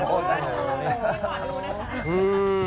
โอ้จังเลย